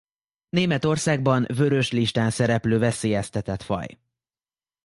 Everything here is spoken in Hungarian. Németországban Vörös Listán szereplő veszélyeztetett faj.